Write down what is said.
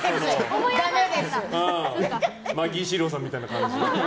マギー司郎さんみたいな感じ。